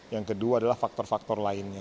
yang kedua adalah faktor faktor lainnya